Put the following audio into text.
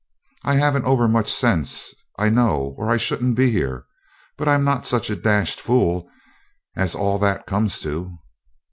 I haven't over much sense, I know, or I shouldn't be here; but I'm not such a dashed fool as all that comes to.'